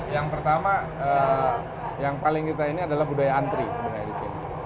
yang pertama yang paling kita ini adalah budaya antri sebenarnya di sini